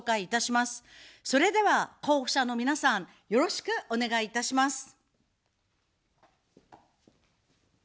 それでは、候補者の皆さん、よろしくお願いいたします。